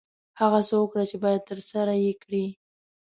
هغه څه وکړه چې باید ترسره یې کړې.